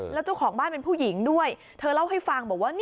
แล้วเจ้าของบ้านเป็นผู้หญิงด้วยเธอเล่าให้ฟังบอกว่า